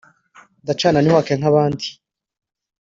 ndacana ntiwake, nk'abandi